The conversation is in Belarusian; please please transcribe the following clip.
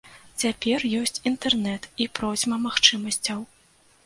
Цяпер ёсць інтэрнэт і процьма магчымасцяў.